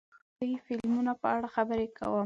زه د خپلو خوښې فلمونو په اړه خبرې کوم.